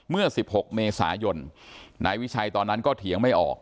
เมื่อ๑๖เมษายนนายวิชัยตอนนั้นก็เถียงไม่ออก